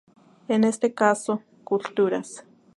En este caso, culturas.